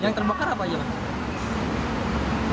yang terbakar apa aja pak